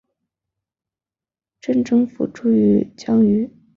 镇政府驻镇江圩。